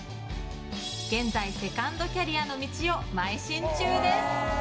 現在、セカンドキャリアの道をまい進中です。